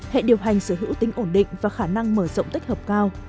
hệ điều hành sở hữu tính ổn định và khả năng mở rộng tích hợp cao